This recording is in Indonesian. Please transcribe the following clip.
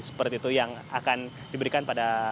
seperti itu yang akan diberikan pada